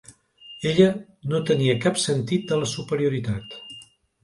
Ella no tenia cap sentit de la superioritat.